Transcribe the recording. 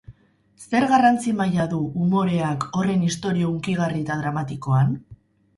Zer garrantzi maila du umoreak horren istorio hunkigarri eta dramatikoan?